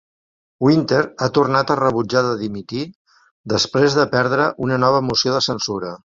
Winter ha tornat a rebutjar de dimitir després de perdre una nova moció de censura.